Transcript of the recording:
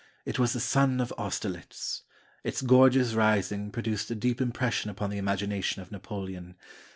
It was the ''Sun of Austerlitz." Its gorgeous rising produced a deep impres sion upon the imagination of Napoleon.